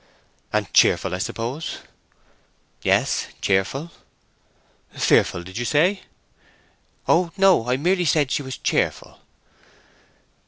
"And cheerful, I suppose." "Yes, cheerful." "Fearful, did you say?" "Oh no. I merely said she was cheerful."